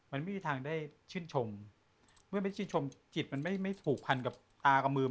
มันไม่มีทางได้ชื่นชมเมื่อไม่ชื่นชมจิตมันไม่ผูกพันกับตากับมือ